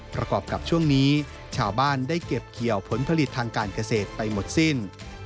กับช่วงนี้ชาวบ้านได้เก็บเกี่ยวผลผลิตทางการเกษตรไปหมดสิ้น